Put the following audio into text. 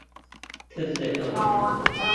تف دەکەم.